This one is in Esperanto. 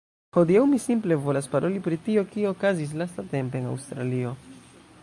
Hodiaŭ mi simple volas paroli pri tio, kio okazis lastatempe en Aŭstralio